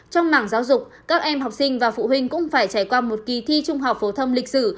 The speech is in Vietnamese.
trong mảng giáo dục các em học sinh và phụ huynh cũng phải trải qua một kỳ thi trung học phổ thông lịch sử